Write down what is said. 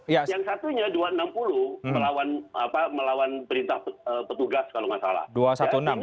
yang satunya dua ratus enam puluh melawan perintah petugas kalau nggak salah